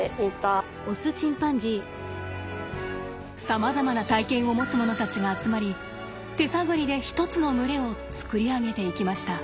さまざまな体験を持つ者たちが集まり手探りで一つの群れを作り上げていきました。